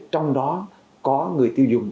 trong đó có người tiêu dùng